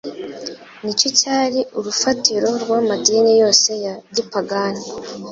nicyo cyari urufatiro rw'amadini yose ya gipagani,